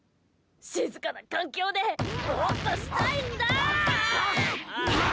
静かな環境でボーっとしたいんだ！